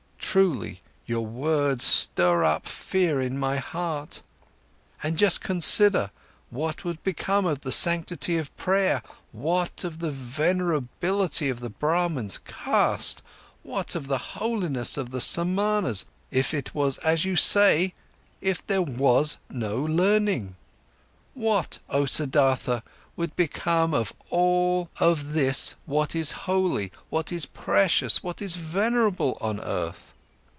Truly, you words stir up fear in my heart. And just consider: what would become of the sanctity of prayer, what of the venerability of the Brahmans' caste, what of the holiness of the Samanas, if it was as you say, if there was no learning?! What, oh Siddhartha, what would then become of all of this what is holy, what is precious, what is venerable on earth?!"